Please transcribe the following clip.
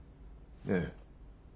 ええ。